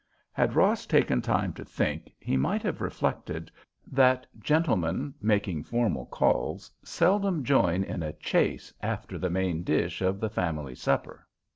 Had Ross taken time to think, he might have reflected that gentlemen making formal calls seldom join in a chase after the main dish of the family supper.